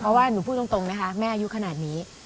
เพราะว่าหนูพูดตรงนะคะแม่อายุขนาดนี้